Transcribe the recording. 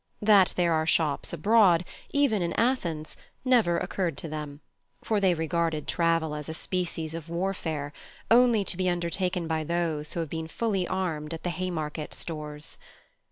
That there are shops abroad, even in Athens, never occurred to them, for they regarded travel as a species of warfare, only to be undertaken by those who have been fully armed at the Haymarket Stores.